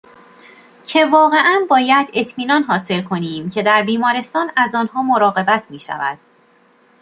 که واقعاً باید اطمینان حاصل کنیم که در بیمارستان از آنها مراقبت میشود